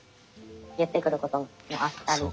言ってくることもあったりして。